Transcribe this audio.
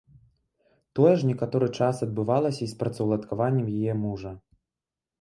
Тое ж некаторы час адбывалася і з працаўладкаваннем яе мужа.